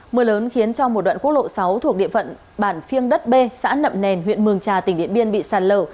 mưa lớn khiến cho một đoạn quốc lộ sáu thuộc địa phận bản phiêng đất b xã nậm nền huyện mường trà tỉnh điện biên bị sạt lở